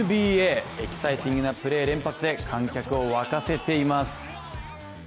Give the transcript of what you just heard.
エキサイティングなプレー連発で観客を沸かせています。